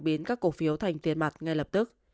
biến các cổ phiếu thành tiền mặt ngay lập tức